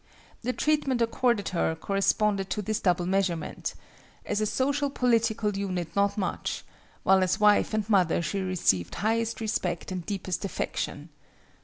The treatment accorded her corresponded to this double measurement;—as a social political unit not much, while as wife and mother she received highest respect and deepest affection.